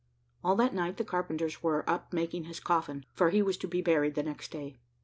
All that night the carpenters were up making his coffin, for he was to be buried the next day.